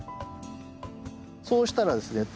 そうしたらですね